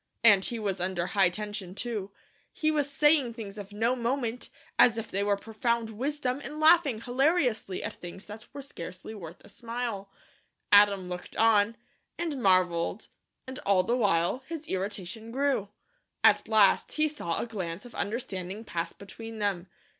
And he was under high tension, too. He was saying things of no moment, as if they were profound wisdom, and laughing hilariously at things that were scarcely worth a smile. Adam looked on, and marvelled and all the while his irritation grew. At last he saw a glance of understanding pass between them.